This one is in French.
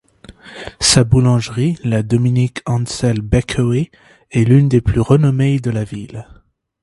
Sa boulangerie, la Dominique Ansel Bakery est l'une des plus renommées de la ville.